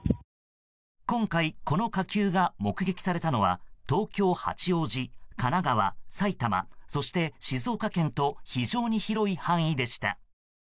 今回この火球が目撃されたのは東京・八王子、神奈川、埼玉そして静岡県と非常に広い範囲でした。